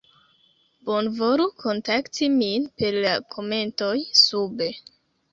bonvolu kontakti min per la komentoj sube